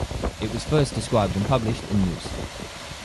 It was first described and published in Mus.